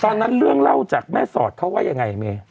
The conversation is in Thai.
ตอนนั้นเรื่องเล่าจากแม่สอดเขาว่ายังไงเม